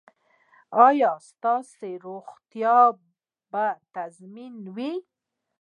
ایا ستاسو روغتیا به تضمین وي؟